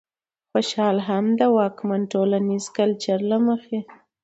خوشال هم د واکمن ټولنيز کلچر له مخې